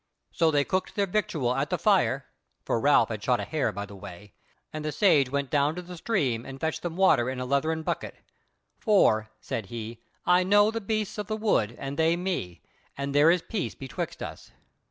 So they cooked their victual at the fire (for Ralph had shot a hare by the way) and the Sage went down to the stream and fetched them water in a lethern budget: "For," said he, "I know the beasts of the wood and they me, and there is peace betwixt us."